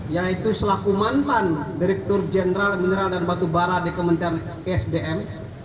yaitu selaku mantan direktur jenderal mineral dan batu bara di kementerian esdm